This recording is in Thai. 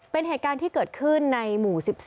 เป็นเหตุการณ์ที่เกิดขึ้นในหมู่๑๒